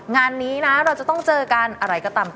งานนี้นะเราจะต้องเจอกันอะไรก็ตาม